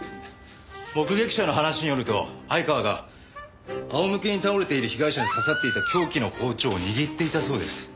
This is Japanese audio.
目撃者の話によると相川が仰向けに倒れている被害者に刺さっていた凶器の包丁を握っていたそうです。